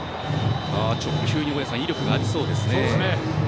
直球に威力がありそうですね。